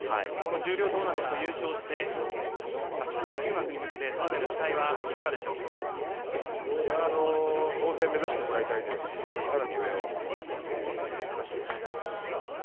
十両トーナメント優勝して新入幕に向けてそのあたりの期待は当然目指してもらいたいですしさらに上を目指してほしいと思います。